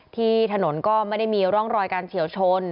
ที่ถนนก็ไม่ได้มีร่องรอยการเฉียวชน